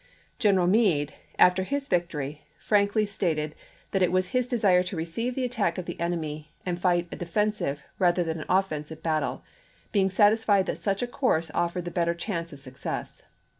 General Meade, after his victory, frankly stated that it was his desire to receive Report •' on conduct ^e attack of the enemy and fight a defensive rather than an offensive battle, being satisfied that snch a course offered the better chance of success.